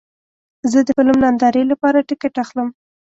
زه د فلم نندارې لپاره ټکټ اخلم.